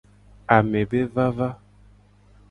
Ame be vava.